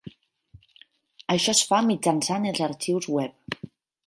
Això es fa mitjançant els arxius web.